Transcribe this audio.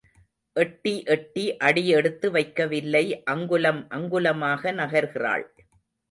எட்டி எட்டி அடி எடுத்து வைக்க வில்லை அங்குலம் அங்குலமாக நகர்கிறாள்.